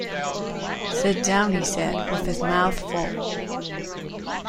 “Sit down,” he said, with his mouth full.